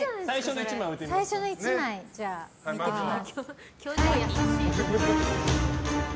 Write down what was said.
最初の１枚じゃあ置いてみます。